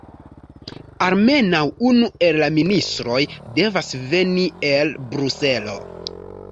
Almenaŭ unu el la ministroj devas veni el Bruselo.